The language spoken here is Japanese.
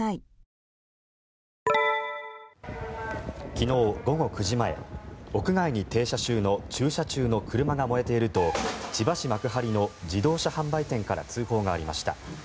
昨日、午後９時前屋外に駐車中の車が燃えていると千葉市・幕張の自動車販売店から通報がありました。